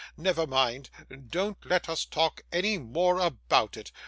Never mind, don't let us talk any more about it.